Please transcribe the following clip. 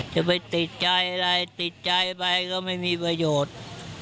จะไปติดใจอะไรติดใจไปก็ไม่มีประโยชน์